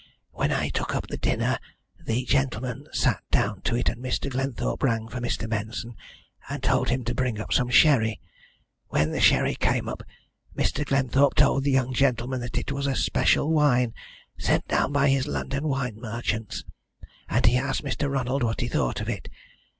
When I took up the dinner the gentlemen sat down to it, and Mr. Glenthorpe rang for Mr. Benson, and told him to bring up some sherry. When the sherry came up Mr. Glenthorpe told the young gentleman that it was a special wine sent down by his London wine merchants, and he asked Mr. Ronald what he thought of it.